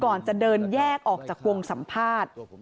ก่อนจะเดินแยกออกจากวงสัมภาษณ์